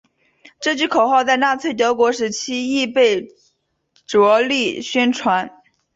这句口号在纳粹德国时期亦被着力宣传。